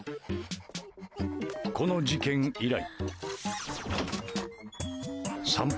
この事件以来。